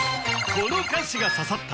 この歌詞が刺さった！